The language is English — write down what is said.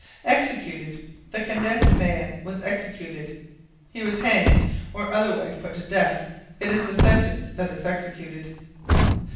Executed. "The condemned man was executed." He was hanged, or otherwise put to death; it is the sentence that is executed.